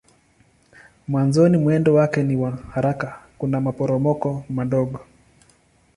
Mwanzoni mwendo wake ni wa haraka kuna maporomoko madogo.